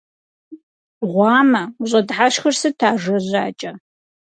Гъуамэ! УщӀэдыхьэшхыр сыт, ажэ жьакӀэ?!